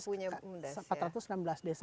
sudah punya bumdes ya